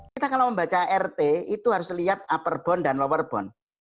kita kalau membaca rt itu harus lihat upper bound dan lower bound